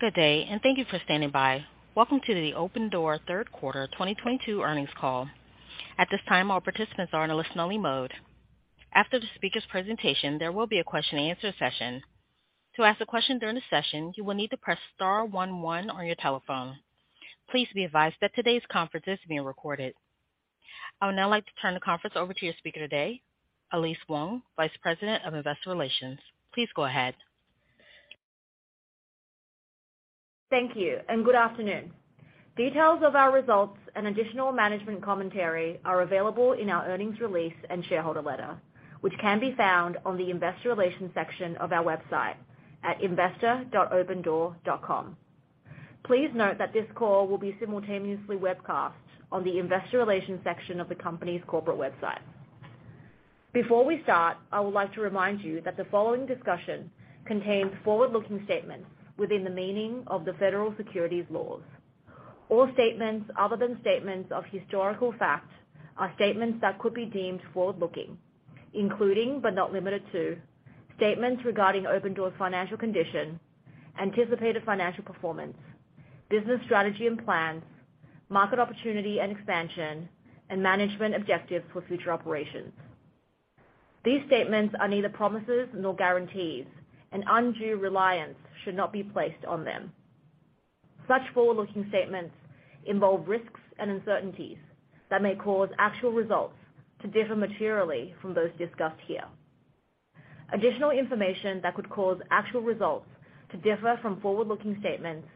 Good day, and thank you for standing by. Welcome to the Opendoor third quarter 2022 earnings call. At this time, all participants are in a listen only mode. After the speaker's presentation, there will be a question-and-answer session. To ask a question during the session, you will need to press star one one on your telephone. Please be advised that today's conference is being recorded. I would now like to turn the conference over to your speaker today, Elise Wang, Vice President of Investor Relations. Please go ahead. Thank you, and good afternoon. Details of our results and additional management commentary are available in our earnings release and shareholder letter, which can be found on the Investor Relations section of our website at investor.opendoor.com. Please note that this call will be simultaneously webcast on the Investor Relations section of the company's corporate website. Before we start, I would like to remind you that the following discussion contains forward-looking statements within the meaning of the federal securities laws. All statements other than statements of historical fact are statements that could be deemed forward-looking, including, but not limited to, statements regarding Opendoor's financial condition, anticipated financial performance, business strategy and plans, market opportunity and expansion, and management objectives for future operations. These statements are neither promises nor guarantees, and undue reliance should not be placed on them. Such forward-looking statements involve risks and uncertainties that may cause actual results to differ materially from those discussed here. Additional information that could cause actual results to differ from forward-looking statements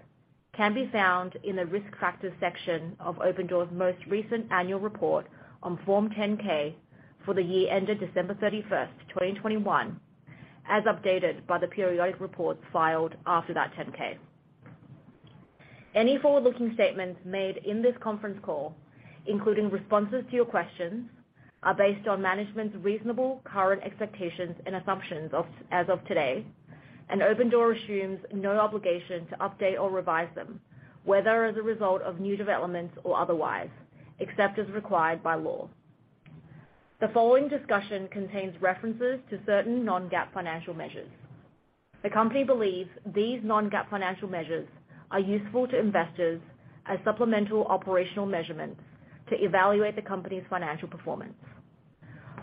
can be found in the Risk Factors section of Opendoor's most recent annual report on Form 10-K for the year ended December 31, 2021, as updated by the periodic reports filed after that 10-K. Any forward-looking statements made in this conference call, including responses to your questions, are based on management's reasonable current expectations and assumptions as of today, and Opendoor assumes no obligation to update or revise them, whether as a result of new developments or otherwise, except as required by law. The following discussion contains references to certain non-GAAP financial measures. The company believes these non-GAAP financial measures are useful to investors as supplemental operational measurements to evaluate the company's financial performance.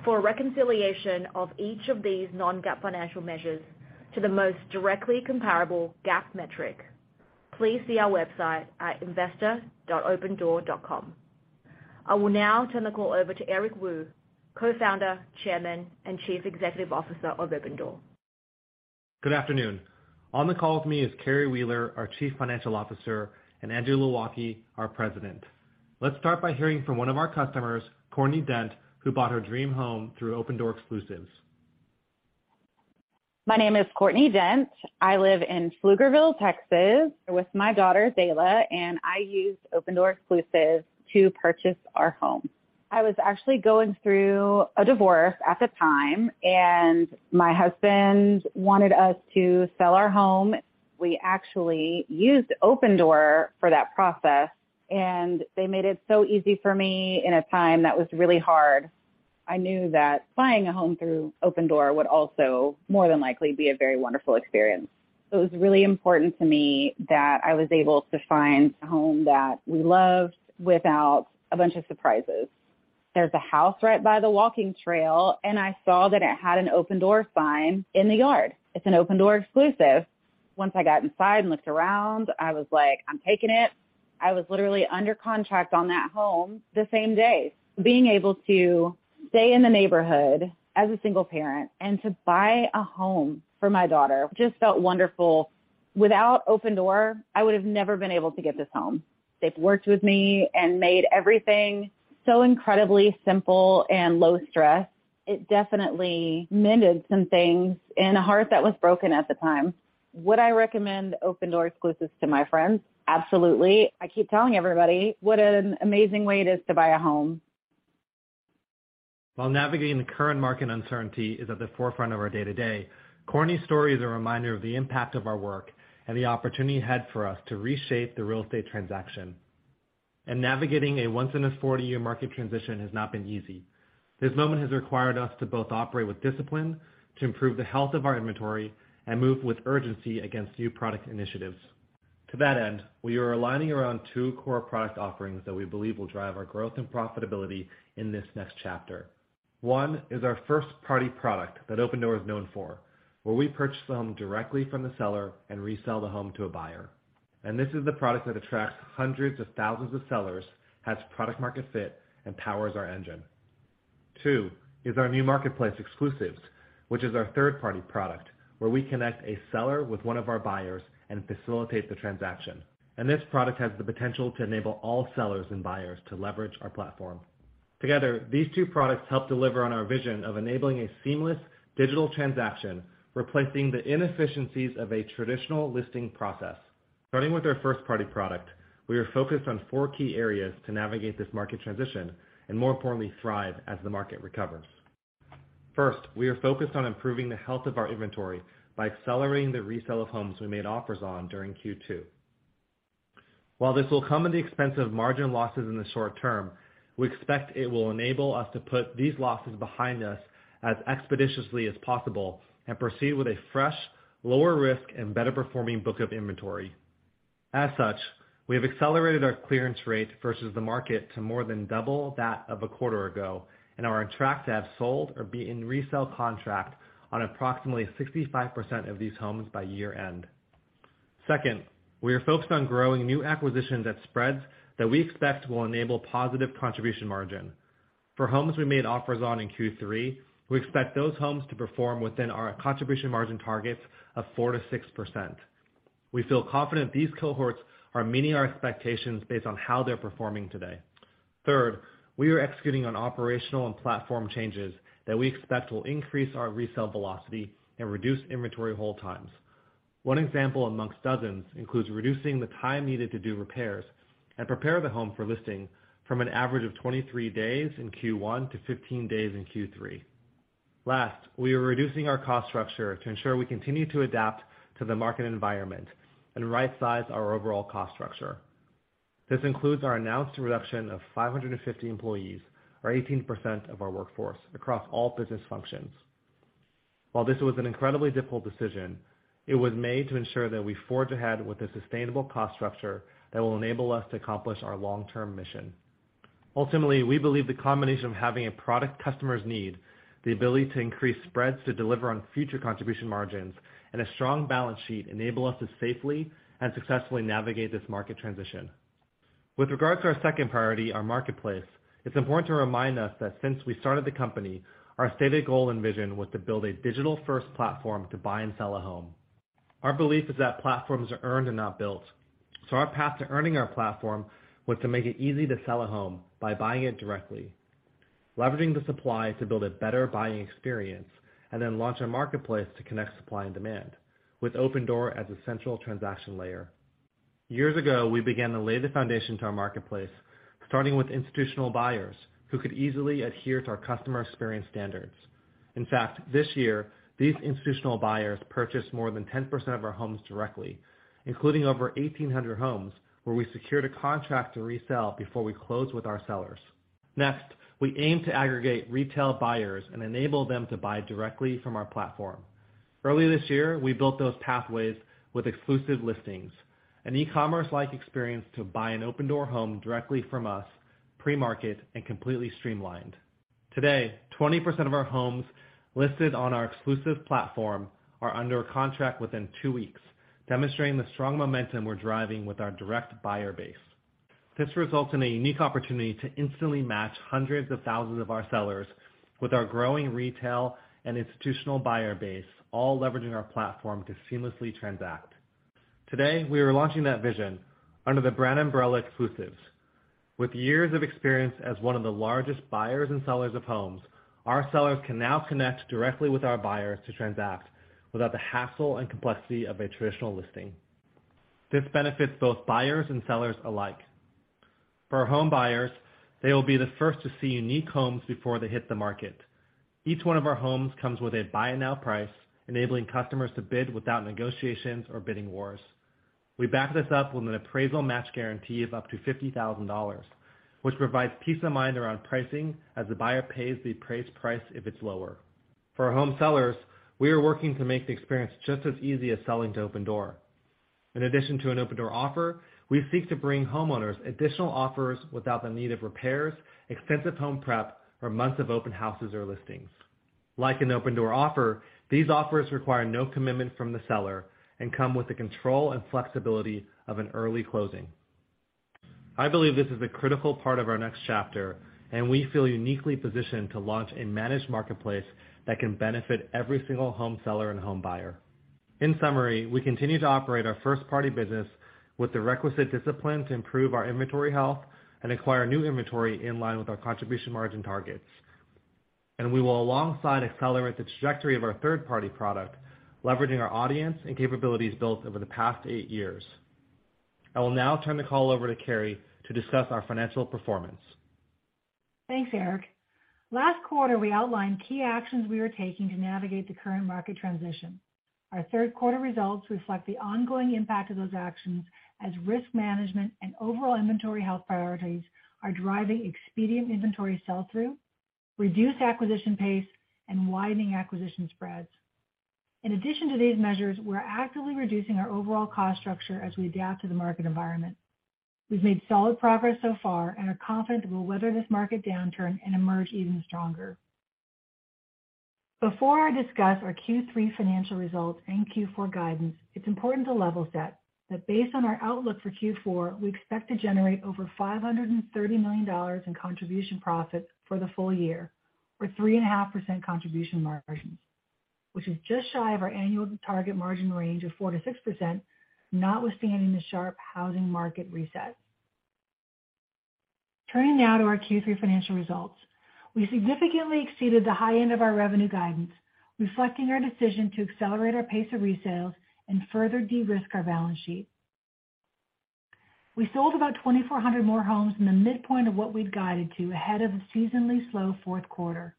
For a reconciliation of each of these non-GAAP financial measures to the most directly comparable GAAP metric, please see our website at investor.opendoor.com. I will now turn the call over to Eric Wu, Co-founder, Chairman, and Chief Executive Officer of Opendoor. Good afternoon. On the call with me is Carrie Wheeler, our Chief Financial Officer, and Andrew Low Ah Kee, our President. Let's start by hearing from one of our customers, Courtney Dent, who bought her dream home through Opendoor Exclusives. My name is Courtney Dent. I live in Pflugerville, Texas, with my daughter, Zayla, and I used Opendoor Exclusives to purchase our home. I was actually going through a divorce at the time, and my husband wanted us to sell our home. We actually used Opendoor for that process, and they made it so easy for me in a time that was really hard. I knew that buying a home through Opendoor would also more than likely be a very wonderful experience. It was really important to me that I was able to find a home that we loved without a bunch of surprises. There's a house right by the walking trail, and I saw that it had an Opendoor sign in the yard. It's an Opendoor Exclusive. Once I got inside and looked around, I was like, "I'm taking it." I was literally under contract on that home the same day. Being able to stay in the neighborhood as a single parent and to buy a home for my daughter just felt wonderful. Without Opendoor, I would have never been able to get this home. They've worked with me and made everything so incredibly simple and low stress. It definitely mended some things in a heart that was broken at the time. Would I recommend Opendoor Exclusives to my friends? Absolutely. I keep telling everybody what an amazing way it is to buy a home. While navigating the current market uncertainty is at the forefront of our day-to-day, Courtney's story is a reminder of the impact of our work and the opportunity ahead for us to reshape the real estate transaction. Navigating a once-in-a-40-year market transition has not been easy. This moment has required us to both operate with discipline to improve the health of our inventory and move with urgency against new product initiatives. To that end, we are aligning around two core product offerings that we believe will drive our growth and profitability in this next chapter. One is our first-party product that Opendoor is known for, where we purchase the home directly from the seller and resell the home to a buyer. This is the product that attracts hundreds of thousands of sellers, has product market fit, and powers our engine. Two is our new marketplace, Exclusives, which is our third-party product, where we connect a seller with one of our buyers and facilitate the transaction. This product has the potential to enable all sellers and buyers to leverage our platform. Together, these two products help deliver on our vision of enabling a seamless digital transaction, replacing the inefficiencies of a traditional listing process. Starting with our first party product, we are focused on four key areas to navigate this market transition and, more importantly, thrive as the market recovers. First, we are focused on improving the health of our inventory by accelerating the resale of homes we made offers on during Q2. While this will come at the expense of margin losses in the short term, we expect it will enable us to put these losses behind us as expeditiously as possible and proceed with a fresh, lower risk, and better performing book of inventory. As such, we have accelerated our clearance rate versus the market to more than double that of a quarter ago and are on track to have sold or be in resale contract on approximately 65% of these homes by year-end. Second, we are focused on growing new acquisitions at spreads that we expect will enable positive contribution margin. For homes we made offers on in Q3, we expect those homes to perform within our contribution margin targets of 4%-6%. We feel confident these cohorts are meeting our expectations based on how they're performing today. Third, we are executing on operational and platform changes that we expect will increase our resale velocity and reduce inventory hold times. One example amongst dozens includes reducing the time needed to do repairs and prepare the home for listing from an average of 23 days in Q1 to 15 days in Q3. Last, we are reducing our cost structure to ensure we continue to adapt to the market environment and right-size our overall cost structure. This includes our announced reduction of 550 employees, or 18% of our workforce, across all business functions. While this was an incredibly difficult decision, it was made to ensure that we forge ahead with a sustainable cost structure that will enable us to accomplish our long-term mission. Ultimately, we believe the combination of having a product customers need, the ability to increase spreads to deliver on future contribution margins, and a strong balance sheet enable us to safely and successfully navigate this market transition. With regard to our second priority, our marketplace, it's important to remind us that since we started the company, our stated goal and vision was to build a digital-first platform to buy and sell a home. Our belief is that platforms are earned and not built. Our path to earning our platform was to make it easy to sell a home by buying it directly, leveraging the supply to build a better buying experience, and then launch our marketplace to connect supply and demand, with Opendoor as a central transaction layer. Years ago, we began to lay the foundation to our marketplace, starting with institutional buyers who could easily adhere to our customer experience standards. In fact, this year, these institutional buyers purchased more than 10% of our homes directly, including over 1,800 homes where we secured a contract to resell before we closed with our sellers. Next, we aim to aggregate retail buyers and enable them to buy directly from our platform. Early this year, we built those pathways with exclusive listings, an e-commerce-like experience to buy an Opendoor home directly from us pre-market and completely streamlined. Today, 20% of our homes listed on our exclusive platform are under contract within two weeks, demonstrating the strong momentum we're driving with our direct buyer base. This results in a unique opportunity to instantly match hundreds of thousands of our sellers with our growing retail and institutional buyer base, all leveraging our platform to seamlessly transact. Today, we are launching that vision under the brand umbrella Exclusives. With years of experience as one of the largest buyers and sellers of homes, our sellers can now connect directly with our buyers to transact without the hassle and complexity of a traditional listing. This benefits both buyers and sellers alike. For home buyers, they will be the first to see unique homes before they hit the market. Each one of our homes comes with a Buy It Now price, enabling customers to bid without negotiations or bidding wars. We back this up with an appraisal match guarantee of up to $50,000, which provides peace of mind around pricing as the buyer pays the appraised price if it's lower. For home sellers, we are working to make the experience just as easy as selling to Opendoor. In addition to an Opendoor offer, we seek to bring homeowners additional offers without the need of repairs, extensive home prep, or months of open houses or listings. Like an Opendoor offer, these offers require no commitment from the seller and come with the control and flexibility of an early closing. I believe this is a critical part of our next chapter, and we feel uniquely positioned to launch a managed marketplace that can benefit every single home seller and home buyer. In summary, we continue to operate our first-party business with the requisite discipline to improve our inventory health and acquire new inventory in line with our contribution margin targets. We will alongside accelerate the trajectory of our third-party product, leveraging our audience and capabilities built over the past eight years. I will now turn the call over to Carrie to discuss our financial performance. Thanks, Eric. Last quarter, we outlined key actions we are taking to navigate the current market transition. Our third quarter results reflect the ongoing impact of those actions as risk management and overall inventory health priorities are driving expedient inventory sell-through, reduced acquisition pace, and widening acquisition spreads. In addition to these measures, we're actively reducing our overall cost structure as we adapt to the market environment. We've made solid progress so far and are confident we'll weather this market downturn and emerge even stronger. Before I discuss our Q3 financial results and Q4 guidance, it's important to level set that based on our outlook for Q4, we expect to generate over $530 million in contribution profit for the full year, or 3.5% contribution margins, which is just shy of our annual target margin range of 4%-6%, notwithstanding the sharp housing market reset. Turning now to our Q3 financial results. We significantly exceeded the high end of our revenue guidance, reflecting our decision to accelerate our pace of resales and further de-risk our balance sheet. We sold about 2,400 more homes in the midpoint of what we'd guided to ahead of the seasonally slow fourth quarter.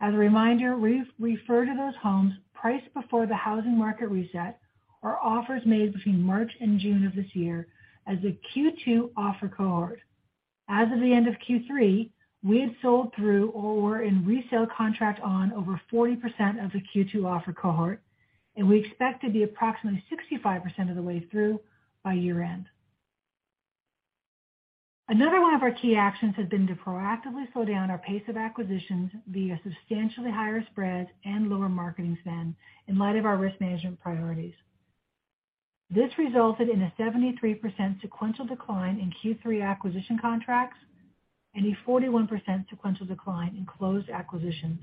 As a reminder, we refer to those homes priced before the housing market reset or offers made between March and June of this year as a Q2 offer cohort. As of the end of Q3, we had sold through or were in resale contract on over 40% of the Q2 offer cohort, and we expect to be approximately 65% of the way through by year-end. Another one of our key actions has been to proactively slow down our pace of acquisitions via substantially higher spreads and lower marketing spend in light of our risk management priorities. This resulted in a 73% sequential decline in Q3 acquisition contracts and a 41% sequential decline in closed acquisitions.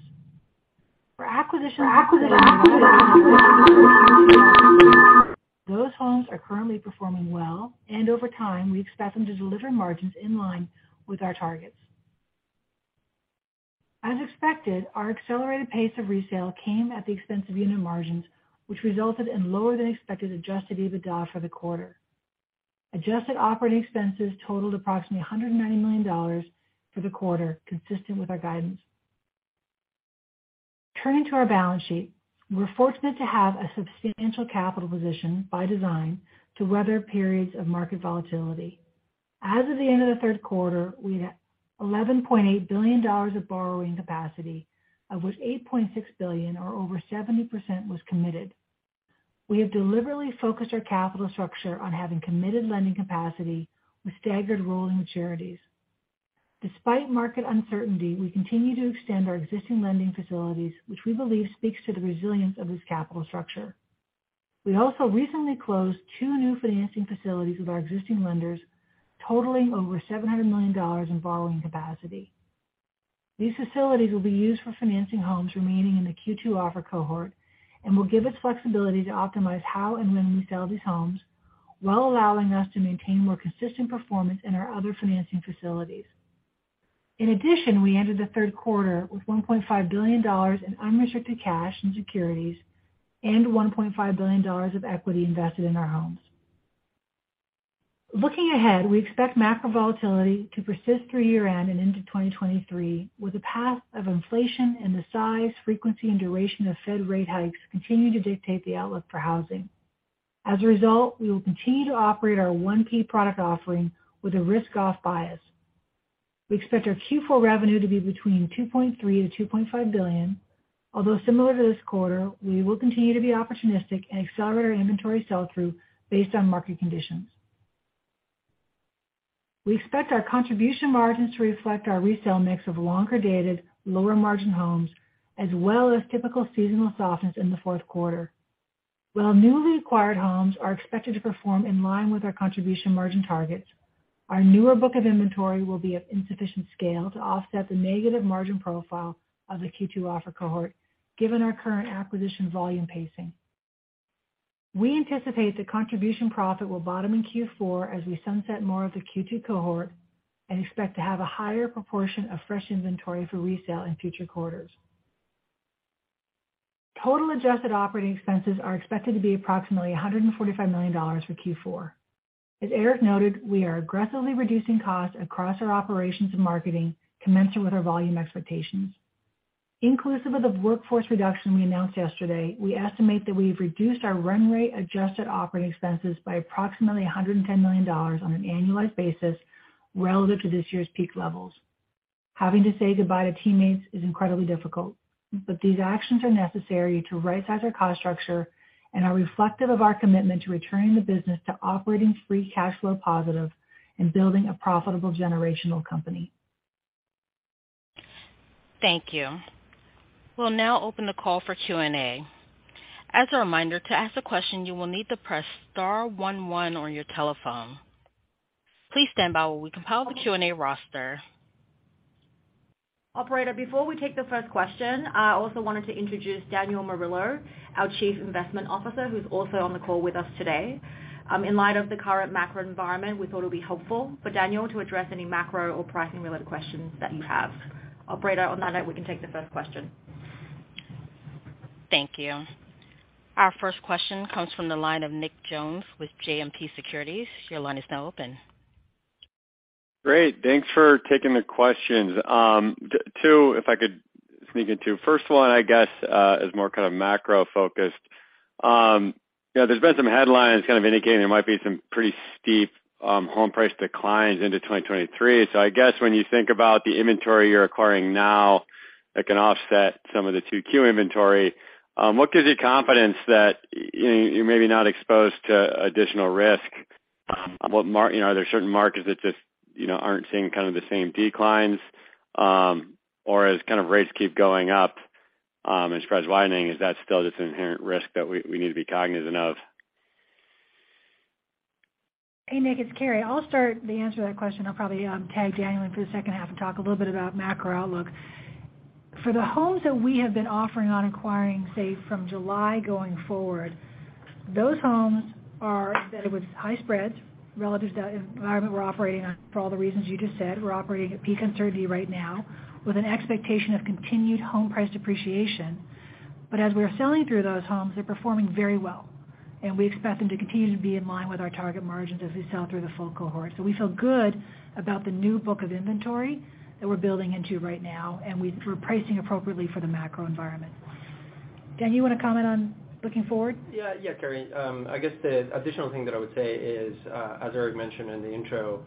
For acquisitions completed in the quarter, those homes are currently performing well, and over time, we expect them to deliver margins in line with our targets. As expected, our accelerated pace of resale came at the expense of unit margins, which resulted in lower than expected adjusted EBITDA for the quarter. Adjusted operating expenses totaled approximately $190 million for the quarter, consistent with our guidance. Turning to our balance sheet. We're fortunate to have a substantial capital position by design to weather periods of market volatility. As of the end of the third quarter, we had $11.8 billion of borrowing capacity, of which $8.6 billion or over 70% was committed. We have deliberately focused our capital structure on having committed lending capacity with staggered rolling maturities. Despite market uncertainty, we continue to extend our existing lending facilities, which we believe speaks to the resilience of this capital structure. We also recently closed two new financing facilities with our existing lenders, totaling over $700 million in borrowing capacity. These facilities will be used for financing homes remaining in the Q2 offer cohort and will give us flexibility to optimize how and when we sell these homes, while allowing us to maintain more consistent performance in our other financing facilities. In addition, we entered the third quarter with $1.5 billion in unrestricted cash and securities and $1.5 billion of equity invested in our homes. Looking ahead, we expect macro volatility to persist through year-end and into 2023, with the path of inflation and the size, frequency, and duration of Fed rate hikes continuing to dictate the outlook for housing. As a result, we will continue to operate our 1P product offering with a risk-off bias. We expect our Q4 revenue to be between $2.3 billion-$2.5 billion. Although similar to this quarter, we will continue to be opportunistic and accelerate our inventory sell-through based on market conditions. We expect our contribution margins to reflect our resale mix of longer-dated, lower-margin homes, as well as typical seasonal softness in the fourth quarter. While newly acquired homes are expected to perform in line with our contribution margin targets, our newer book of inventory will be of insufficient scale to offset the negative margin profile of the Q2 offer cohort, given our current acquisition volume pacing. We anticipate the contribution profit will bottom in Q4 as we sunset more of the Q2 cohort, and expect to have a higher proportion of fresh inventory for resale in future quarters. Total adjusted operating expenses are expected to be approximately $145 million for Q4. As Eric noted, we are aggressively reducing costs across our operations and marketing commensurate with our volume expectations. Inclusive of the workforce reduction we announced yesterday, we estimate that we've reduced our run rate adjusted operating expenses by approximately $110 million on an annualized basis relative to this year's peak levels. Having to say goodbye to teammates is incredibly difficult, but these actions are necessary to right-size our cost structure and are reflective of our commitment to returning the business to operating free cash flow positive and building a profitable generational company. Thank you. We'll now open the call for Q&A. As a reminder, to ask a question, you will need to press star one one on your telephone. Please stand by while we compile the Q&A roster. Operator, before we take the first question, I also wanted to introduce Daniel Morillo, our Chief Investment Officer, who's also on the call with us today. In light of the current macro environment, we thought it would be helpful for Daniel to address any macro or pricing-related questions that you have. Operator, on that note, we can take the first question. Thank you. Our first question comes from the line of Nick Jones with JMP Securities. Your line is now open. Great. Thanks for taking the questions. Two, if I could sneak in two. First one, I guess, is more kind of macro-focused. Yeah, there's been some headlines kind of indicating there might be some pretty steep home price declines into 2023. I guess when you think about the inventory you're acquiring now that can offset some of the 2Q inventory, what gives you confidence that, you know, you're maybe not exposed to additional risk? Are there certain markets that just, you know, aren't seeing kind of the same declines? Or, as kind of rates keep going up and spreads widening, is that still just an inherent risk that we need to be cognizant of? Hey, Nick, it's Carrie. I'll start the answer to that question. I'll probably tag Daniel in for the second half and talk a little bit about macro outlook. For the homes that we have been offering on acquiring, say, from July going forward, those homes are the ones with high spreads relative to the environment we're operating in for all the reasons you just said. We're operating at peak uncertainty right now with an expectation of continued home price depreciation. As we are selling through those homes, they're performing very well. We expect them to continue to be in line with our target margins as we sell through the full cohort. We feel good about the new book of inventory that we're building into right now, and we're pricing appropriately for the macro environment. Dan, you wanna comment on looking forward? Yeah. Yeah, Carrie. I guess the additional thing that I would say is, as Eric mentioned in the intro,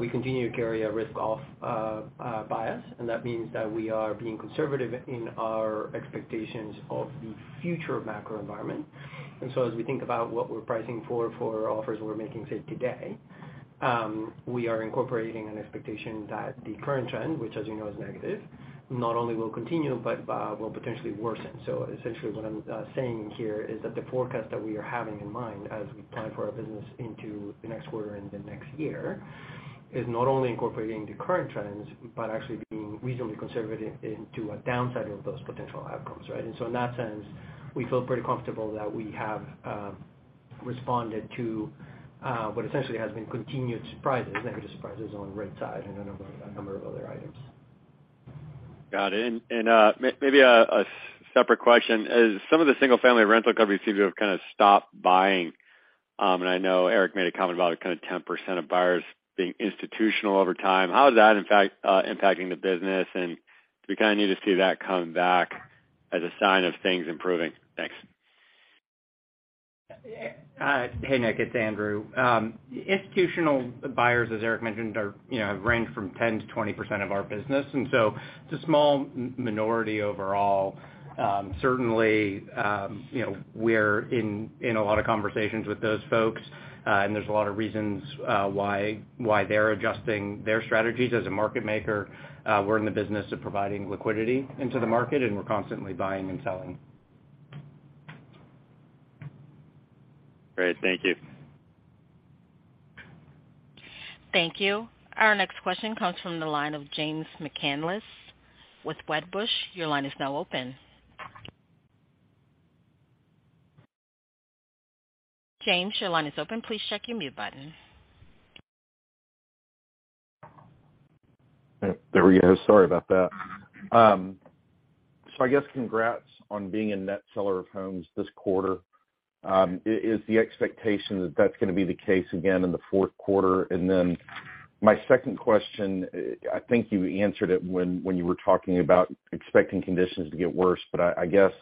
we continue to carry a risk-off bias, and that means that we are being conservative in our expectations of the future macro environment. As we think about what we're pricing for offers we're making, say, today, we are incorporating an expectation that the current trend, which as you know is negative, not only will continue, but will potentially worsen. Essentially, what I'm saying here is that the forecast that we are having in mind as we plan for our business into the next quarter and the next year is not only incorporating the current trends, but actually being reasonably conservative into a downside of those potential outcomes, right? In that sense, we feel pretty comfortable that we have responded to what essentially has been continued surprises, negative surprises on rent side and a number of other items. Got it. Maybe a separate question. As some of the single-family rental companies seem to have kinda stopped buying, and I know Eric made a comment about kind of 10% of buyers being institutional over time, how is that, in fact, impacting the business? Do we kinda need to see that come back as a sign of things improving? Thanks. Hey, Nick, it's Andrew. Institutional buyers, as Eric mentioned, are, you know, range from 10%-20% of our business, and so it's a small minority overall. Certainly, you know, we're in a lot of conversations with those folks, and there's a lot of reasons why they're adjusting their strategies. As a market maker, we're in the business of providing liquidity into the market, and we're constantly buying and selling. Great. Thank you. Thank you. Our next question comes from the line of Jay McCanless with Wedbush. Your line is now open. Jay, your line is open. Please check your mute button. There we go. Sorry about that. I guess congrats on being a net seller of homes this quarter. Is the expectation that that's gonna be the case again in the fourth quarter? My second question, I think you answered it when you were talking about expecting conditions to get worse. I guess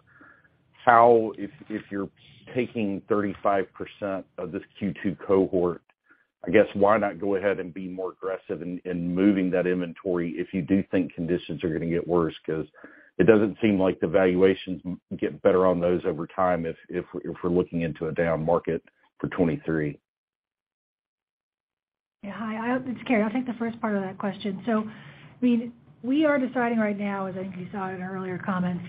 if you're taking 35% of this Q2 cohort, why not go ahead and be more aggressive in moving that inventory if you do think conditions are gonna get worse? 'Cause it doesn't seem like the valuations get better on those over time if we're looking into a down market for 2023. Yeah. Hi, it's Carrie. I'll take the first part of that question. I mean, we are deciding right now, as I think you saw in our earlier comments,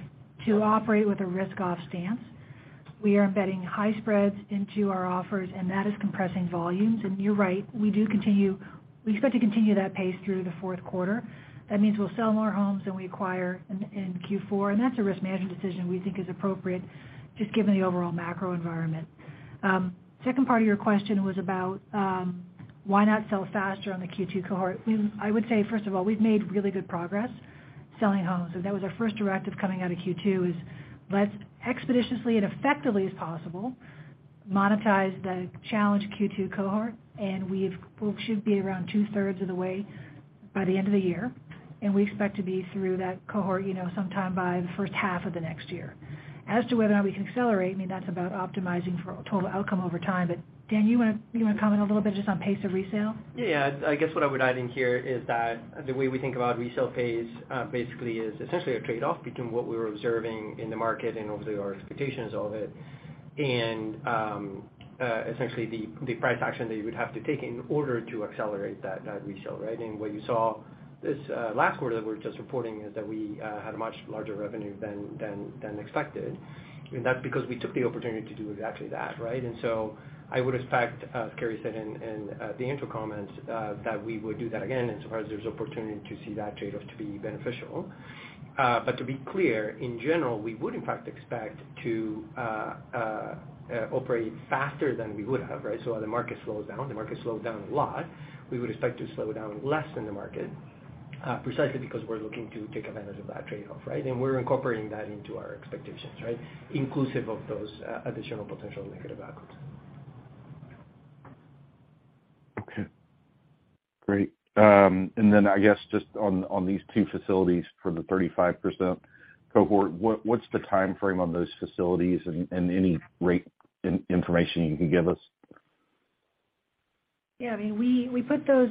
to operate with a risk-off stance. We are embedding high spreads into our offers, and that is compressing volumes. You're right, we expect to continue that pace through the fourth quarter. That means we'll sell more homes than we acquire in Q4, and that's a risk management decision we think is appropriate just given the overall macro environment. Second part of your question was about why not sell faster on the Q2 cohort. I mean, I would say, first of all, we've made really good progress selling homes. That was our first directive coming out of Q2, is let's expeditiously and effectively as possible monetize the challenged Q2 cohort, and we've we should be around 2/3 of the way by the end of the year. We expect to be through that cohort, you know, sometime by the first half of the next year. As to whether or not we can accelerate, I mean, that's about optimizing for total outcome over time. Dan, you wanna comment a little bit just on pace of resale? Yeah. I guess what I would add in here is that the way we think about resale pace, basically, is essentially a trade-off between what we're observing in the market and, obviously, our expectations of it and, essentially, the price action that you would have to take in order to accelerate that resale, right? What you saw this last quarter that we're just reporting is that we had a much larger revenue than expected, and that's because we took the opportunity to do exactly that, right? I would expect, as Carrie said in the intro comments, that we would do that again insofar as there's opportunity to see that trade-off to be beneficial. To be clear, in general, we would in fact expect to operate faster than we would have, right? The market slows down, the market slowed down a lot. We would expect to slow down less than the market, precisely because we're looking to take advantage of that trade-off, right? We're incorporating that into our expectations, right? Inclusive of those additional potential negative outcomes. Okay. Great. I guess just on these two facilities for the 35% cohort, what's the timeframe on those facilities and any rate information you can give us? Yeah. I mean, we put those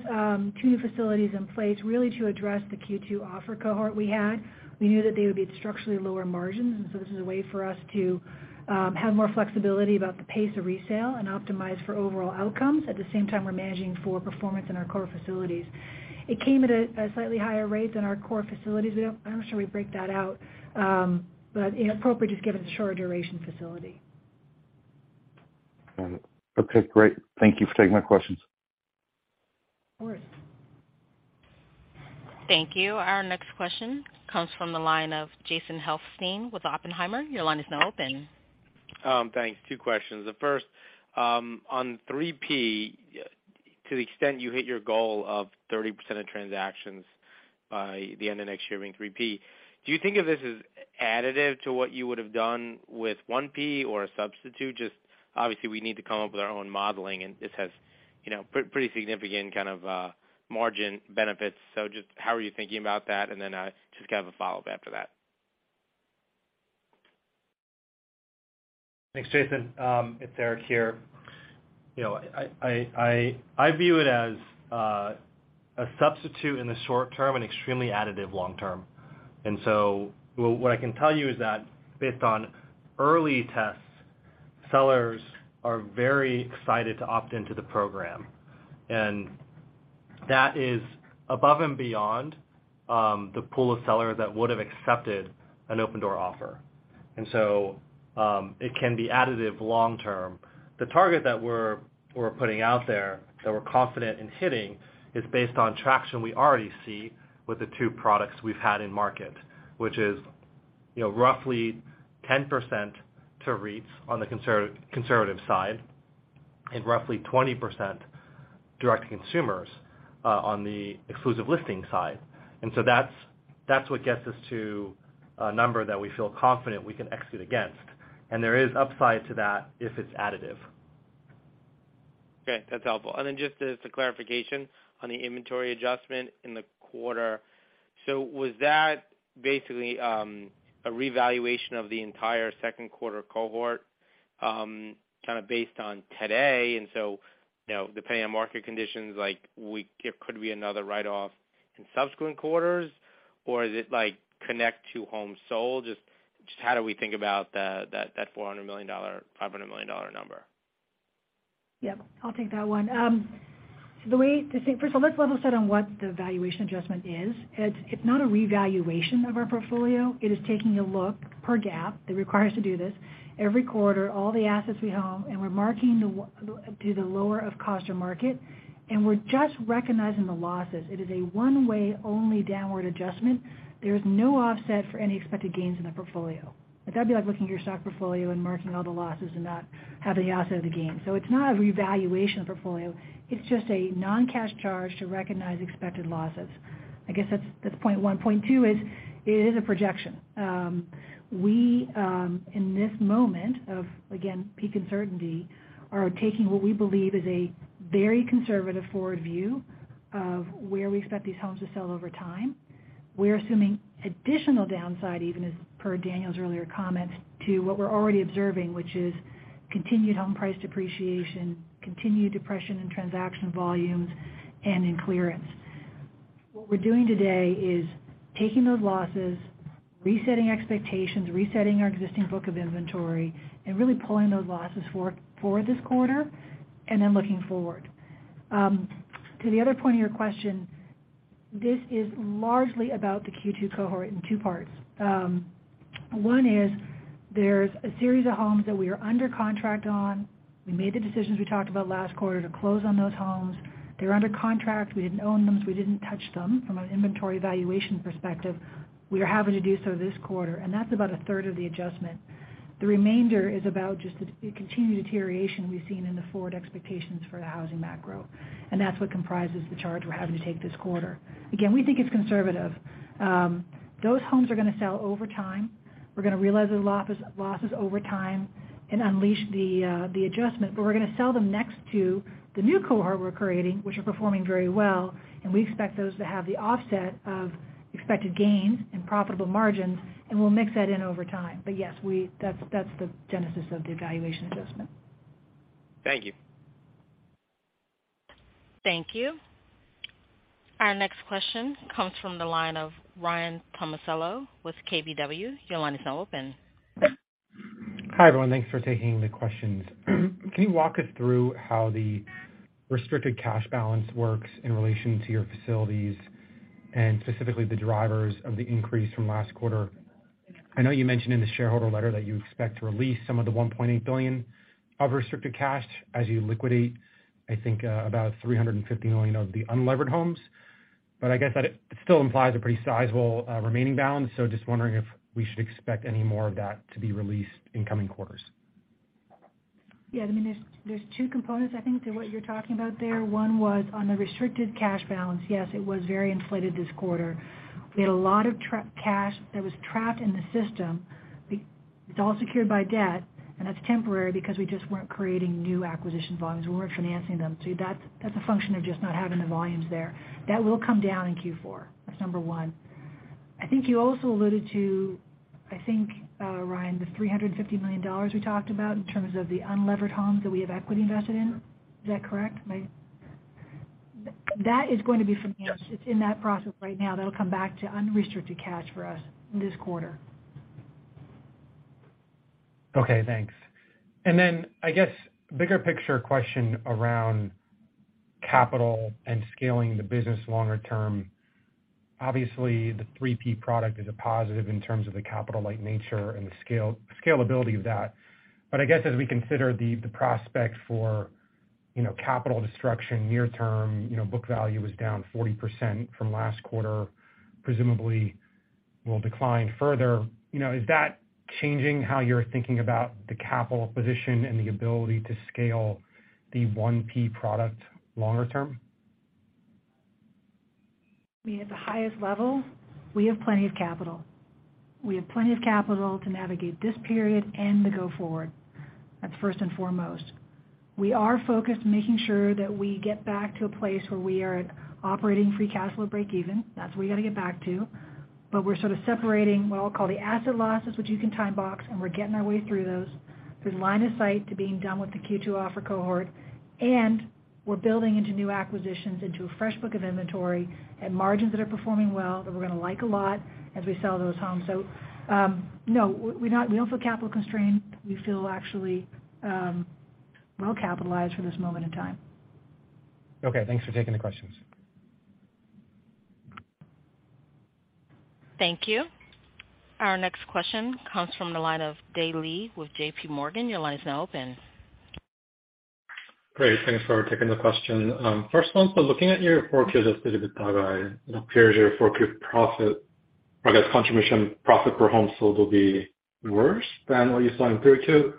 two facilities in place, really, to address the Q2 offer cohort we had. We knew that they would be structurally lower margins, and so this is a way for us to have more flexibility about the pace of resale and optimize for overall outcomes. At the same time, we're managing for performance in our core facilities. It came at a slightly higher rate than our core facilities. We don't, I'm not sure we break that out, but you know, appropriate just given the shorter duration facility. Got it. Okay. Great. Thank you for taking my questions. Of course. Thank you. Our next question comes from the line of Jason Helfstein with Oppenheimer. Your line is now open. Thanks. Two questions. The first, on 3P, to the extent you hit your goal of 30% of transactions by the end of next year being 3P, do you think of this as additive to what you would have done with 1P or a substitute? Just obviously, we need to come up with our own modeling, and this has, you know, pretty significant kind of margin benefits. Just, how are you thinking about that? Then, just kind of a follow-up after that. Thanks, Jason. It's Eric here. You know, I view it as a substitute in the short term and extremely additive long term. What I can tell you is that based on early tests, sellers are very excited to opt into the program, and that is above and beyond the pool of sellers that would have accepted an Opendoor offer. It can be additive long term. The target that we're putting out there that we're confident in hitting is based on traction we already see with the two products we've had in market, which is, you know, roughly 10% to REITs on the conservative side and roughly 20% direct to consumers on the exclusive listing side. That's what gets us to a number that we feel confident we can execute against. There is upside to that if it's additive. Okay, that's helpful. Just as a clarification on the inventory adjustment in the quarter, was that basically a revaluation of the entire second quarter cohort kind of based on today? You know, depending on market conditions, like could be another write-off in subsequent quarters, or is it like connected to homes sold? Just how do we think about that $400 million, $500 million number? Yeah, I'll take that one. First of all, let's level set on what the valuation adjustment is. It's not a revaluation of our portfolio. It is taking a look per GAAP that requires to do this every quarter, all the assets we own, and we're marking to the lower of cost or market, and we're just recognizing the losses. It is a one-way only downward adjustment. There is no offset for any expected gains in the portfolio. That'd be like looking at your stock portfolio and marking all the losses and not having the offset of the gains. It's not a revaluation of portfolio, it's just a non-cash charge to recognize expected losses. I guess that's point one. Point two is it is a projection. We, in this moment of, again, peak uncertainty, are taking what we believe is a very conservative forward view of where we expect these homes to sell over time. We're assuming additional downside, even as per Daniel's earlier comments, to what we're already observing, which is continued home price depreciation, continued depression in transaction volumes and in clearance. What we're doing today is taking those losses, resetting expectations, resetting our existing book of inventory, and really pulling those losses forward this quarter and then looking forward. To the other point of your question, this is largely about the Q2 cohort in two parts. One is there's a series of homes that we are under contract on. We made the decisions we talked about last quarter to close on those homes. They're under contract. We didn't own them, so we didn't touch them from an inventory valuation perspective. We are having to do so this quarter, and that's about 1/3 of the adjustment. The remainder is about just the continued deterioration we've seen in the forward expectations for the housing macro, and that's what comprises the charge we're having to take this quarter. Again, we think it's conservative. Those homes are gonna sell over time. We're gonna realize those losses over time and unleash the adjustment, but we're gonna sell them next to the new cohort we're creating, which are performing very well. We expect those to have the offset of expected gains and profitable margins, and we'll mix that in over time. Yes, that's the genesis of the valuation adjustment. Thank you. Thank you. Our next question comes from the line of Ryan Tomasello with KBW. Your line is now open. Hi, everyone. Thanks for taking the questions. Can you walk us through how the restricted cash balance works in relation to your facilities and specifically the drivers of the increase from last quarter? I know you mentioned in the shareholder letter that you expect to release some of the $1.8 billion of restricted cash as you liquidate, I think, about $350 million of the unlevered homes. But I guess that it still implies a pretty sizable remaining balance. Just, wondering if we should expect any more of that to be released in coming quarters? Yeah. I mean, there's two components, I think, to what you're talking about there. One was on the restricted cash balance. Yes, it was very inflated this quarter. We had a lot of cash that was trapped in the system. It's all secured by debt, and that's temporary because we just weren't creating new acquisition volumes. We weren't financing them. So that's a function of just not having the volumes there. That will come down in Q4. That's number one. I think you also alluded to, I think, Ryan, the $350 million we talked about in terms of the unlevered homes that we have equity invested in. Is that correct? That is going to be financed. Yes. It's in that process right now. That'll come back to unrestricted cash for us this quarter. Okay, thanks. I guess bigger picture question around capital and scaling the business longer term. Obviously, the 3P product is a positive in terms of the capital-like nature and the scale, scalability of that. I guess as we consider the prospects for, you know, capital destruction near term, you know, book value was down 40% from last quarter, presumably, will decline further. You know, is that changing how you're thinking about the capital position and the ability to scale the 1P product longer term? I mean, at the highest level, we have plenty of capital. We have plenty of capital to navigate this period and to go forward. That's first and foremost. We are focused on making sure that we get back to a place where we are at operating free cash flow breakeven. That's what we got to get back to. We're sort of separating what I'll call the asset losses, which you can time box, and we're getting our way through those. There's line of sight to being done with the Q2 offer cohort, and we're building into new acquisitions, into a fresh book of inventory and margins that are performing well, that we're gonna like a lot as we sell those homes. No, we don't feel capital constrained. We feel actually, well-capitalized for this moment in time. Okay. Thanks for taking the questions. Thank you. Our next question comes from the line of Dae Lee with JPMorgan. Your line is now open. Great. Thanks for taking the question. First one, looking at your forecast of EBITDA, it appears your forecast profit, or I guess contribution profit per home sold, will be worse than what you saw in 3Q.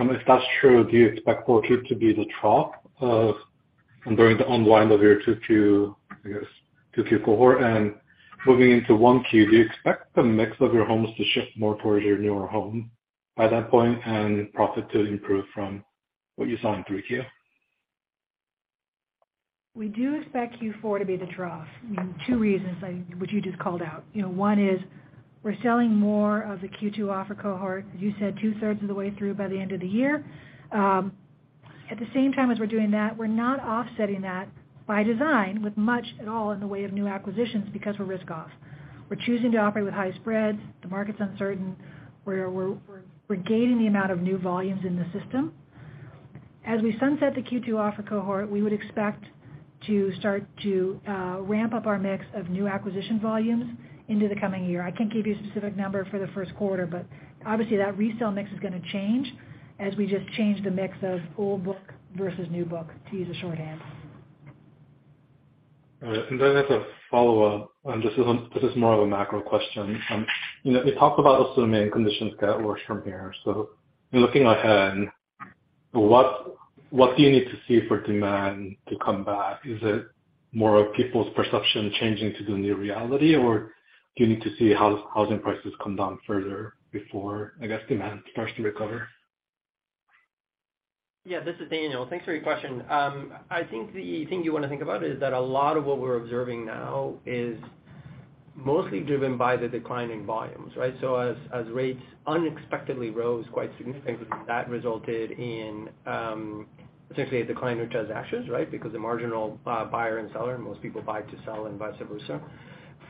If that's true, do you expect 4Q to be the trough during the unwind of your 2022, I guess, cohort? Moving into 1Q, do you expect the mix of your homes to shift more towards your newer home by that point and profit to improve from what you saw in 3Q? We do expect Q4 to be the trough in two reasons which you just called out. You know, one is we're selling more of the Q2 offer cohort, as you said, 2/3 of the way through by the end of the year. At the same time as we're doing that, we're not offsetting that by design with much at all in the way of new acquisitions because we're risk-off. We're choosing to operate with high spreads. The market's uncertain, where we're gating the amount of new volumes in the system. As we sunset the Q2 offer cohort, we would expect to start to ramp up our mix of new acquisition volumes into the coming year. I can't give you a specific number for the first quarter, but obviously that resell mix is gonna change as we just change the mix of old book versus new book, to use a shorthand. All right. Then as a follow-up, and this is more of a macro question, you know, we talked about assuming conditions get worse from here. Looking ahead, what do you need to see for demand to come back? Is it more of people's perception changing to the new reality, or do you need to see housing prices come down further before, I guess, demand starts to recover? Yeah, this is Daniel. Thanks for your question. I think the thing you wanna think about is that a lot of what we're observing now is mostly driven by the declining volumes, right? As rates unexpectedly rose quite significantly, that resulted in essentially a decline in transactions, right? Because the marginal buyer and seller, most people buy to sell and vice versa,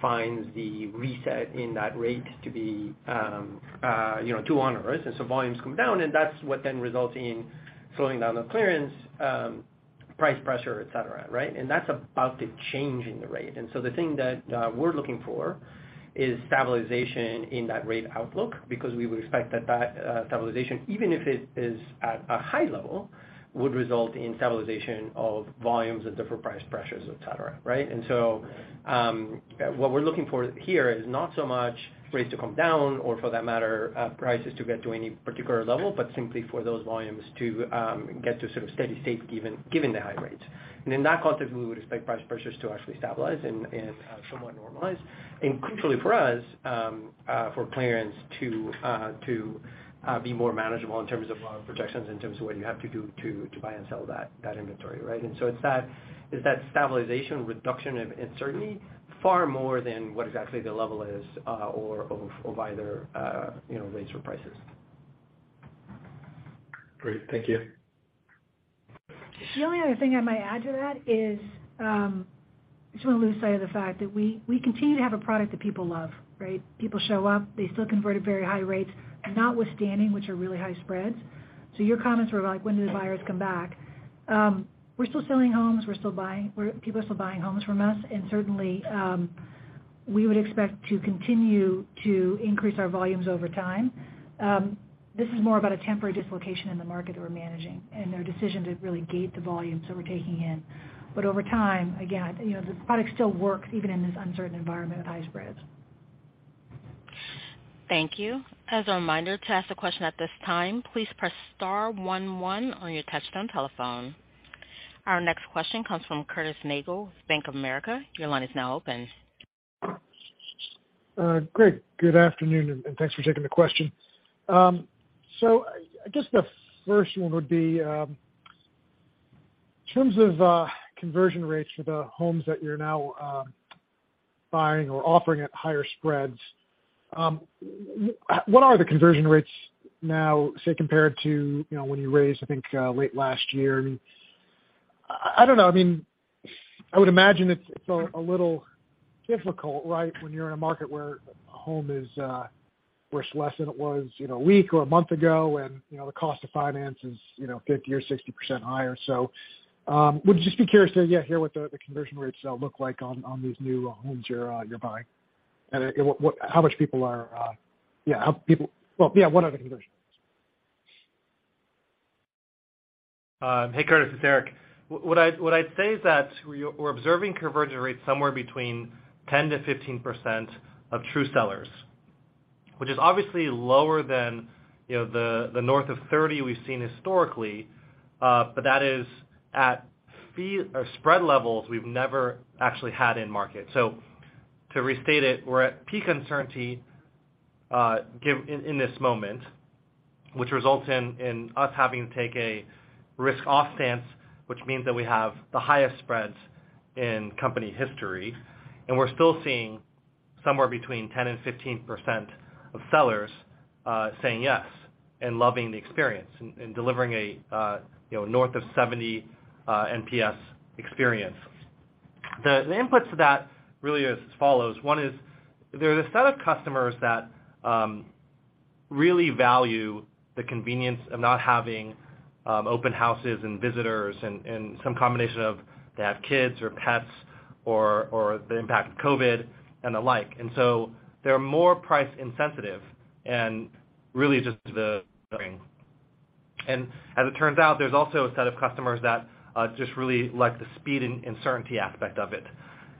finds the reset in that rate to be, you know, too onerous. Volumes come down, and that's what then results in slowing down the clearance, price pressure, et cetera, right? That's about the change in the rate. The thing that we're looking for is stabilization in that rate outlook because we would expect that stabilization, even if it is at a high level, would result in stabilization of volumes and different price pressures, et cetera, right? What we're looking for here is not so much rates to come down or for that matter, prices to get to any particular level, but simply for those volumes to get to sort of steady state given the high rates. In that context, we would expect price pressures to actually stabilize and somewhat normalize. Crucially for us, for clearance to be more manageable in terms of projections, in terms of what you have to do to buy and sell that inventory, right? It's that stabilization reduction of uncertainty far more than what exactly the level is, or of either, you know, rates or prices. Great. Thank you. The only other thing I might add to that is, I just don't wanna lose sight of the fact that we continue to have a product that people love, right? People show up. They still convert at very high rates, notwithstanding, which are really high spreads. Your comments were like, when do the buyers come back? We're still selling homes. People are still buying homes from us. Certainly, we would expect to continue to increase our volumes over time. This is more about a temporary dislocation in the market that we're managing and our decision to really gate the volumes that we're taking in. Over time, again, you know, the product still works even in this uncertain environment with high spreads. Thank you. As a reminder to ask a question at this time, please press star one one on your touch-tone telephone. Our next question comes from Curtis Nagle with Bank of America. Your line is now open. Great. Good afternoon, and thanks for taking the question. So I guess the first one would be, in terms of conversion rates for the homes that you're now buying or offering at higher spreads, what are the conversion rates now, say, compared to, you know, when you raised, I think, late last year? I mean, I don't know. I mean, I would imagine it's a little difficult, right, when you're in a market where a home is worth less than it was in a week or a month ago and, you know, the cost to finance is, you know, 50% or 60% higher. Would just be curious to, yeah, hear what the conversion rates look like on these new homes you're buying? Well, yeah, what are the conversions? Hey, Curtis, it's Eric. What I'd say is that we're observing conversion rates somewhere between 10%-15% of true sellers, which is obviously lower than, you know, the north of 30% we've seen historically, but that is at fee or spread levels we've never actually had in market. To restate it, we're at peak uncertainty in this moment, which results in us having to take a risk-off stance, which means that we have the highest spreads in company history. We're still seeing somewhere between 10%-15% of sellers saying yes and loving the experience and delivering a, you know, north of 70 NPS experience. The inputs to that really is as follows. One is there's a set of customers that really value the convenience of not having open houses and visitors and some combination of they have kids or pets or the impact of COVID and the like. They're more price insensitive and really just the. As it turns out, there's also a set of customers that just really like the speed and certainty aspect of it.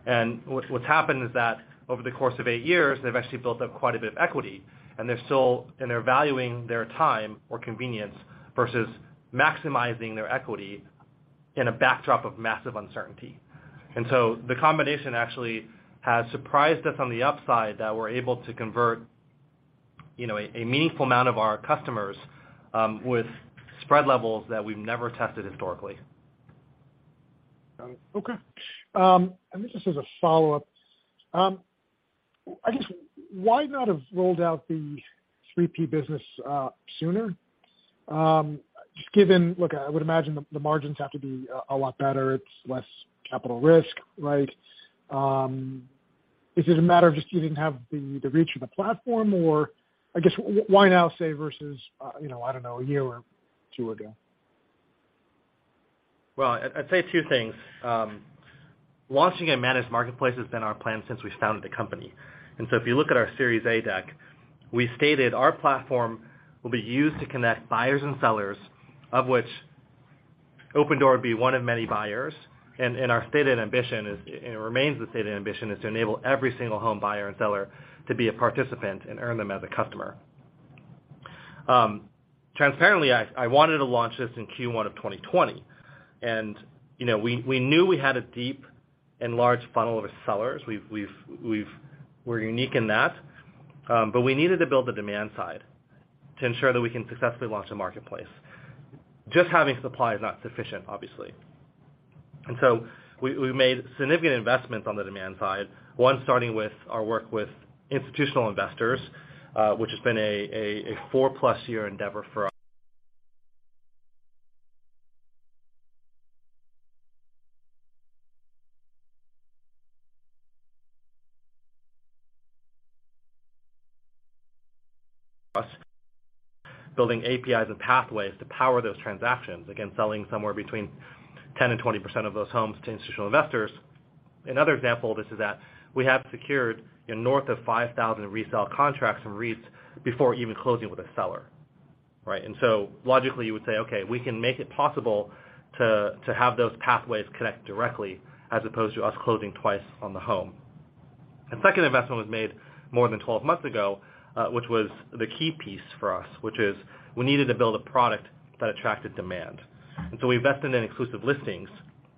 What's happened is that over the course of eight years, they've actually built up quite a bit of equity, and they're valuing their time or convenience versus maximizing their equity in a backdrop of massive uncertainty. The combination actually has surprised us on the upside that we're able to convert, you know, a meaningful amount of our customers with spread levels that we've never tested historically. Okay. This is a follow-up. I guess why not have rolled out the 3P business sooner? Just look, I would imagine the margins have to be a lot better. It's less capital risk, right? Is it a matter of just you didn't have the reach of the platform? Or I guess why now say versus, you know, I don't know, a year or two ago? Well, I'd say two things. Launching a managed marketplace has been our plan since we founded the company. If you look at our Series A deck, we stated our platform will be used to connect buyers and sellers, of which Opendoor would be one of many buyers. Our stated ambition is, and it remains the stated ambition, is to enable every single home buyer and seller to be a participant and earn them as a customer. Transparently, I wanted to launch this in Q1 of 2020. You know, we knew we had a deep and large funnel of sellers. We're unique in that. We needed to build the demand side to ensure that we can successfully launch a marketplace. Just having supply is not sufficient, obviously. We made significant investments on the demand side, one starting with our work with institutional investors, which has been a four-plus year endeavor for us. Building APIs and pathways to power those transactions. Again, selling somewhere between 10%-20% of those homes to institutional investors. Another example of this is that we have secured north of 5,000 resale contracts from REITs before even closing with a seller, right? Logically you would say, okay, we can make it possible to have those pathways connect directly as opposed to us closing twice on the home. The second investment was made more than 12 months ago, which was the key piece for us, which is we needed to build a product that attracted demand. We invested in exclusive listings.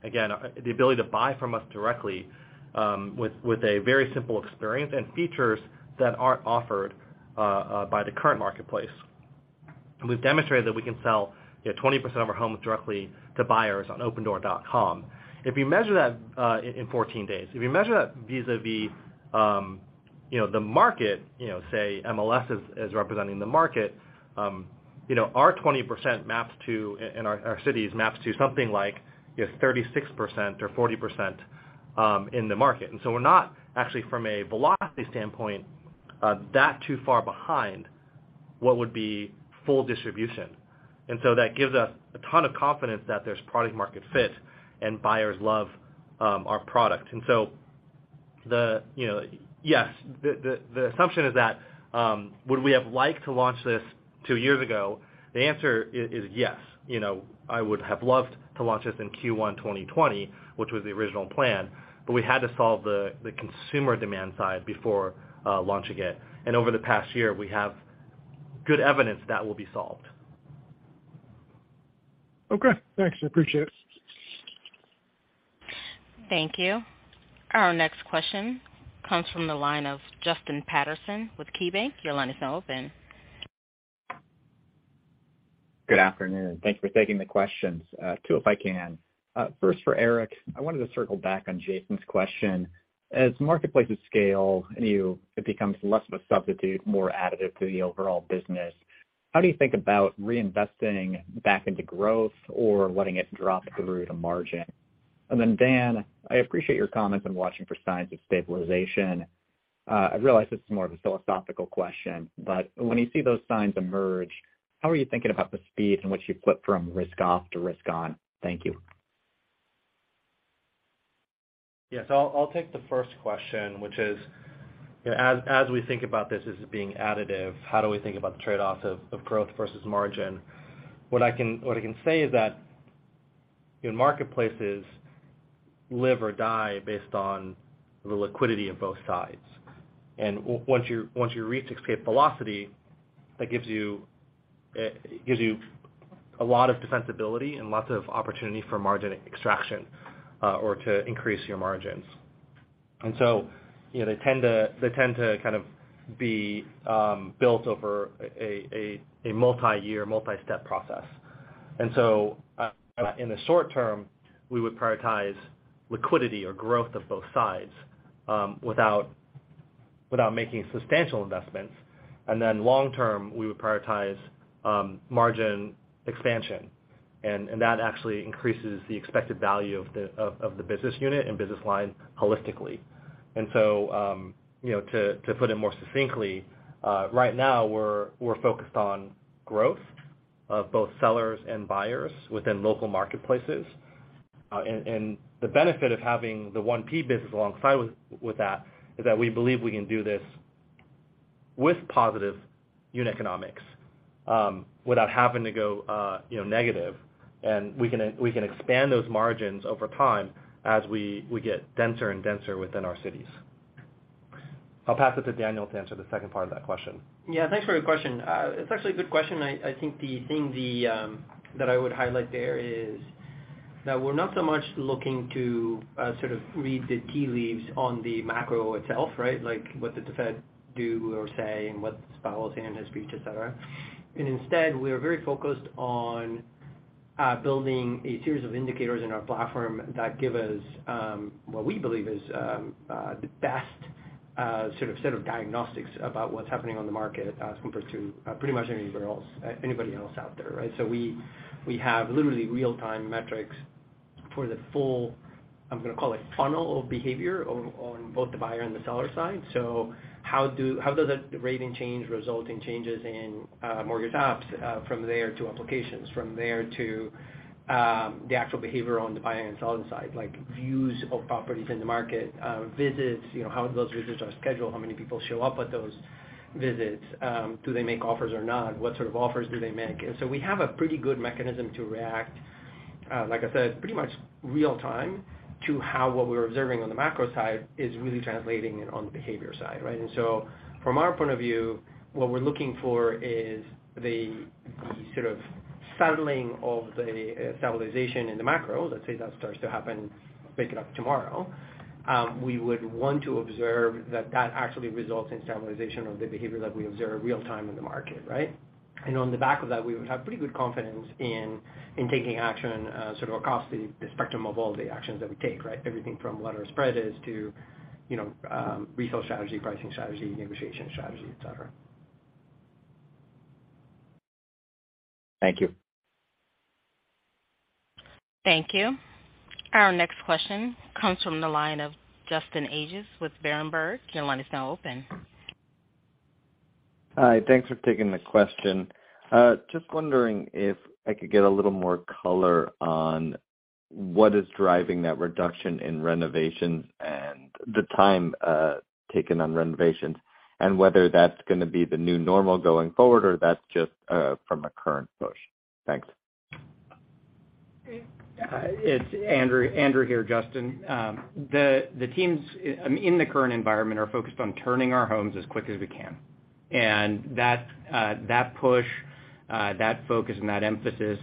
Again, the ability to buy from us directly, with a very simple experience and features that aren't offered by the current marketplace. We've demonstrated that we can sell, you know, 20% of our homes directly to buyers on opendoor.com. If you measure that in 14 days. If you measure that vis-à-vis, you know, the market, you know, say MLS is representing the market, you know, our 20% maps to, and our cities maps to something like, you know, 36% or 40%, in the market. We're not actually from a velocity standpoint that too far behind what would be full distribution. That gives us a ton of confidence that there's product market fit and buyers love our product. The assumption is that would we have liked to launch this two years ago? The answer is yes. You know, I would have loved to launch this in Q1 2020, which was the original plan, but we had to solve the consumer demand side before launching it. Over the past year, we have good evidence that will be solved. Okay, thanks. I appreciate it. Thank you. Our next question comes from the line of Justin Patterson with KeyBanc. Your line is now open. Good afternoon. Thank you for taking the questions. Two, if I can. First for Eric, I wanted to circle back on Jason's question. As marketplaces scale and it becomes less of a substitute, more additive to the overall business, how do you think about reinvesting back into growth or letting it drop through to margin? Dan, I appreciate your comments on watching for signs of stabilization. I realize this is more of a philosophical question, but when you see those signs emerge, how are you thinking about the speed in which you flip from risk off to risk on? Thank you. Yes, I'll take the first question, which is, you know, as we think about this as being additive, how do we think about the trade-offs of growth versus margin? What I can say is that your marketplaces live or die based on the liquidity of both sides. Once you reach escape velocity, that gives you, it gives you a lot of defensibility and lots of opportunity for margin extraction, or to increase your margins. You know, they tend to kind of be built over a multiyear, multistep process. In the short term, we would prioritize liquidity or growth of both sides, without making substantial investments. Long term, we would prioritize margin expansion, and that actually increases the expected value of the business unit and business line holistically. You know, to put it more succinctly, right now we're focused on growth of both sellers and buyers within local marketplaces. And the benefit of having the 1P business alongside with that is that we believe we can do this with positive unit economics without having to go, you know, negative. We can expand those margins over time as we get denser and denser within our cities. I'll pass it to Daniel to answer the second part of that question. Yeah, thanks for your question. It's actually a good question. I think the thing that I would highlight there is that we're not so much looking to sort of read the tea leaves on the macro itself, right? Like what did the Fed do or say, and what's Powell saying in his speech, et cetera. Instead, we are very focused on building a series of indicators in our platform that give us what we believe is the best sort of set of diagnostics about what's happening on the market as compared to pretty much anybody else out there, right? We have literally real-time metrics for the full, I'm gonna call it funnel of behavior on both the buyer and the seller side. How does a rating change result in changes in mortgage apps from there to applications, from there to the actual behavior on the buying and selling side, like views of properties in the market, visits, you know, how those visits are scheduled, how many people show up at those visits, do they make offers or not? What sort of offers do they make? We have a pretty good mechanism to react, like I said, pretty much real time to how what we're observing on the macro side is really translating into the behavior side, right? From our point of view, what we're looking for is the sort of settling of the stabilization in the macro. Let's say that starts to happen tomorrow. We would want to observe that actually results in stabilization of the behavior that we observe real time in the market, right? On the back of that, we would have pretty good confidence in taking action sort of across the spectrum of all the actions that we take, right? Everything from what our spread is to, you know, retail strategy, pricing strategy, negotiation strategy, et cetera. Thank you. Thank you. Our next question comes from the line of Justin Ages with Berenberg. Your line is now open. Hi. Thanks for taking the question. Just wondering if I could get a little more color on what is driving that reduction in renovations and the time taken on renovations, and whether that's gonna be the new normal going forward or that's just from a current push. Thanks. It's Andrew here, Justin. The teams in the current environment are focused on turning our homes as quick as we can. That push, that focus and that emphasis,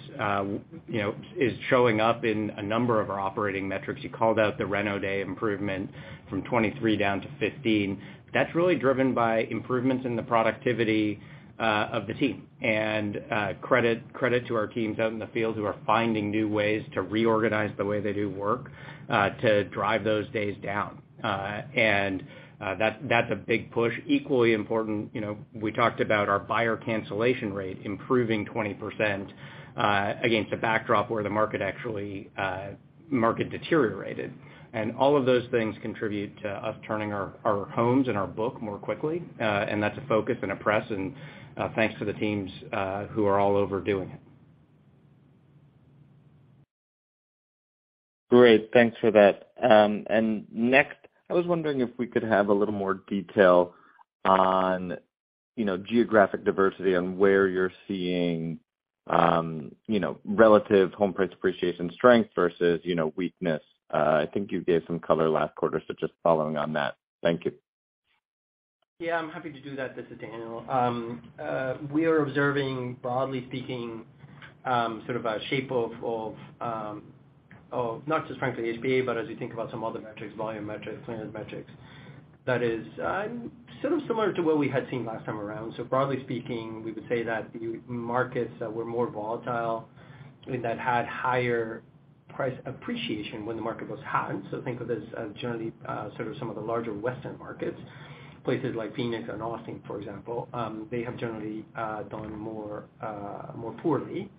you know, is showing up in a number of our operating metrics. You called out the reno day improvement from 23 down to 15. That's really driven by improvements in the productivity of the team. Credit to our teams out in the field who are finding new ways to reorganize the way they do work to drive those days down. That's a big push. Equally important, you know, we talked about our buyer cancellation rate improving 20% against a backdrop where the market actually deteriorated. All of those things contribute to us turning our homes and our book more quickly. That's a focus and a priority, and thanks to the teams who are all over doing it. Great. Thanks for that. Next, I was wondering if we could have a little more detail on, you know, geographic diversity and where you're seeing, you know, relative home price appreciation strength versus, you know, weakness. I think you gave some color last quarter, so just following on that. Thank you. Yeah, I'm happy to do that. This is Daniel. We are observing broadly speaking sort of a shape of not just frankly HPA, but as you think about some other metrics, volume metrics, plan metrics, that is sort of similar to what we had seen last time around. Broadly speaking, we would say that the markets that were more volatile and that had higher price appreciation when the market was hot. Think of this as generally sort of some of the larger Western markets, places like Phoenix and Austin, for example. They have generally done more poorly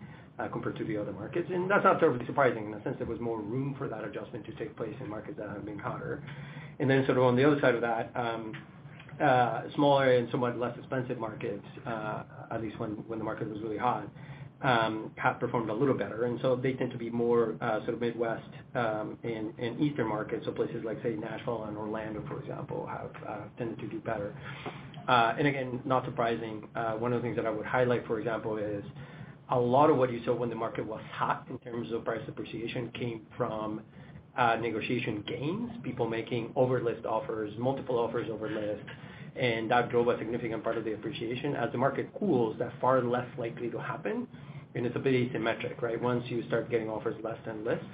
compared to the other markets. That's not terribly surprising in the sense there was more room for that adjustment to take place in markets that have been hotter. Sort of on the other side of that, smaller and somewhat less expensive markets, at least when the market was really hot, have performed a little better, and so they tend to be more sort of Midwest and eastern markets. Places like, say, Nashville and Orlando, for example, have tended to do better. Again, not surprising, one of the things that I would highlight, for example, is a lot of what you saw when the market was hot in terms of price appreciation came from negotiation gains, people making over list offers, multiple offers over list, and that drove a significant part of the appreciation. As the market cools, that far less likely to happen, and it's a bit asymmetric, right? Once you start getting offers less than list,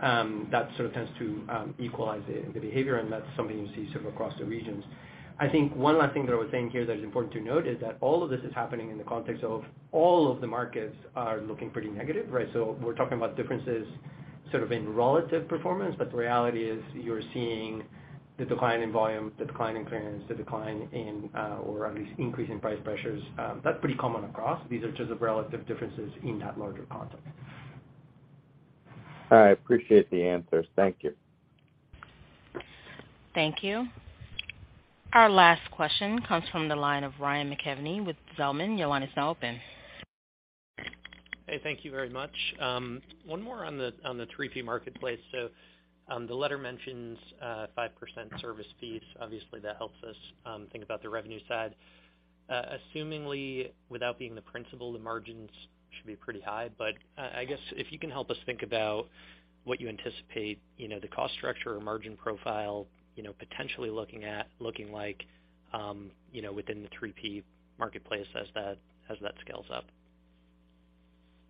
that sort of tends to equalize the behavior, and that's something you see sort of across the regions. I think one last thing that I would say here that is important to note is that all of this is happening in the context of all of the markets are looking pretty negative, right? We're talking about differences sort of in relative performance, but the reality is you're seeing the decline in volume, the decline in clearance, the decline in or at least increase in price pressures. That's pretty common across. These are just the relative differences in that larger context. All right. Appreciate the answers. Thank you. Thank you. Our last question comes from the line of Ryan McKeveny with Zelman. Your line is now open. Hey, thank you very much. One more on the 3P marketplace. The letter mentions 5% service fees. Obviously, that helps us think about the revenue side. Assuming, without being the principal, the margins should be pretty high. I guess if you can help us think about what you anticipate, you know, the cost structure or margin profile, you know, potentially looking like, you know, within the 3P marketplace as that scales up.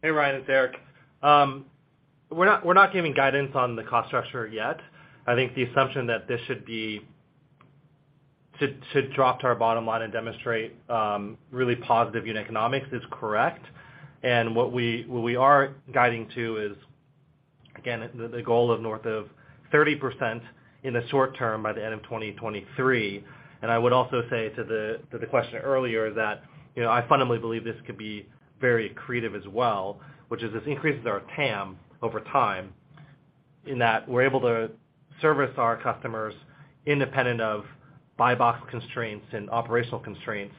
Hey, Ryan, it's Eric. We're not giving guidance on the cost structure yet. I think the assumption that this should be to drop to our bottom line and demonstrate really positive unit economics is correct. What we are guiding to is, again, the goal of north of 30% in the short term by the end of 2023. I would also say to the question earlier that, you know, I fundamentally believe this could be very accretive as well, which is this increases our TAM over time in that we're able to service our customers independent of buy box constraints and operational constraints,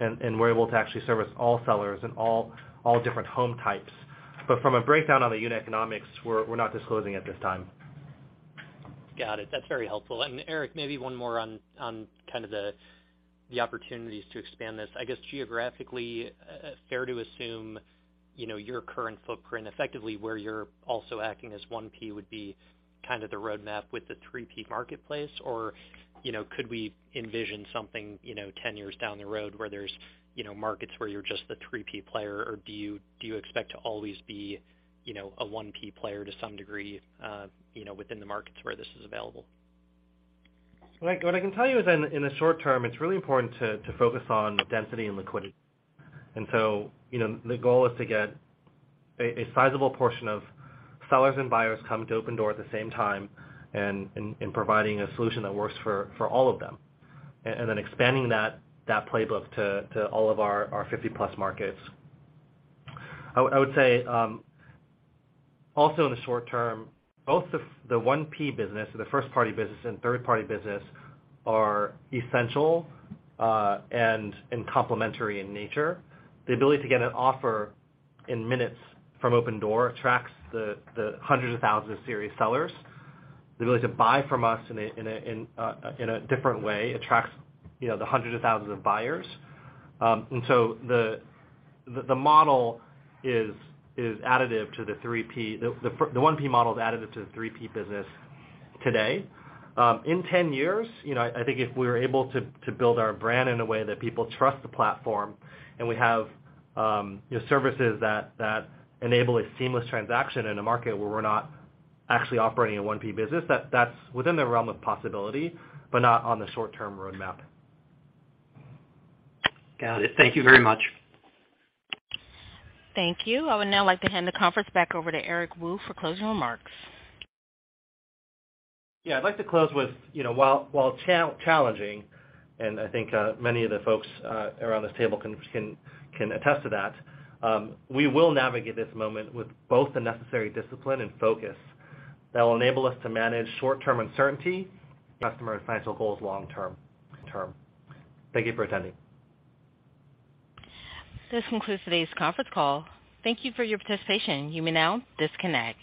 and we're able to actually service all sellers and all different home types. From a breakdown on the unit economics, we're not disclosing at this time. Got it. That's very helpful. Eric, maybe one more on kind of the opportunities to expand this. I guess geographically, fair to assume, you know, your current footprint effectively where you're also acting as 1P would be kind of the roadmap with the 3P marketplace? Or, you know, could we envision something, you know, 10 years down the road where there's, you know, markets where you're just the 3P player, or do you expect to always be, you know, a 1P player to some degree, you know, within the markets where this is available? Like, what I can tell you is in the short term, it's really important to focus on density and liquidity. You know, the goal is to get a sizable portion of sellers and buyers come to Opendoor at the same time and providing a solution that works for all of them, and then expanding that playbook to all of our 50+ markets. I would say also in the short term, both the 1P business, the first party business and third party business are essential, and complementary in nature. The ability to get an offer in minutes from Opendoor attracts the hundreds of thousands of serious sellers. The ability to buy from us in a different way attracts, you know, the hundreds of thousands of buyers. The model is additive to the 3P. The 1P model is additive to the 3P business today. In 10 years, you know, I think if we're able to build our brand in a way that people trust the platform and we have, you know, services that enable a seamless transaction in a market where we're not actually operating a 1P business, that's within the realm of possibility, but not on the short term roadmap. Got it. Thank you very much. Thank you. I would now like to hand the conference back over to Eric Wu for closing remarks. Yeah. I'd like to close with, you know, while challenging, and I think many of the folks around this table can attest to that, we will navigate this moment with both the necessary discipline and focus that will enable us to manage short-term uncertainty, customer and financial goals long-term. Thank you for attending. This concludes today's conference call. Thank you for your participation. You may now disconnect.